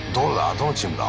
どのチームだ？